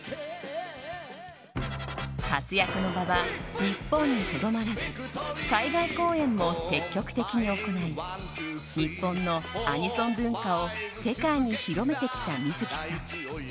活躍の場は日本にとどまらず海外公演も積極的に行い日本のアニソン文化を世界に広めてきた水木さん。